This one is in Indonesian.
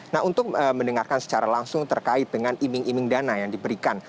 nah untuk mendengarkan secara langsung terkait dengan iming iming dana yang diberikan